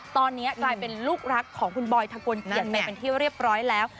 ตอนนี้กลายเป็นลูกรักของคุณบอยทะกลเกียจไปเป็นที่เรียบร้อยแล้ว